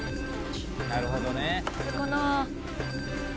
なるほどね。